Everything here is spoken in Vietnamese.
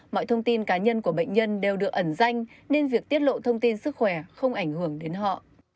mọi thông tin cá nhân của bệnh nhân đều được ẩn danh nên việc tiết lộ thông tin sức khỏe không ảnh hưởng đến họ